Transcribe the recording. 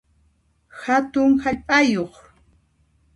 Hatun hallp'ayuq